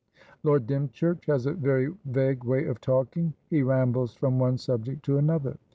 "Lord Dymchurch has a very vague way of talking. He rambles from one subject to another."